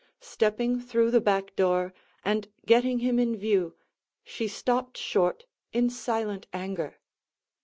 Stepping through the back door, and getting him in view, she stopped short in silent anger.